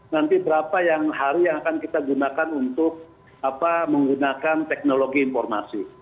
nanti berapa yang hari yang akan kita gunakan untuk menggunakan teknologi informasi